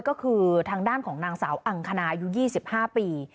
ก็คือทางด้านของนางสาวอังคณาอายุ๒๕ปี